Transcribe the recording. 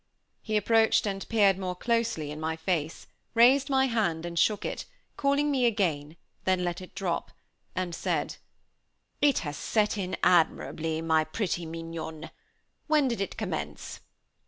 He approached and peered more closely in my face; raised my hand and shook it, calling me again, then let it drop, and said: "It has set in admirably, my pretty mignonne. When did it commence?"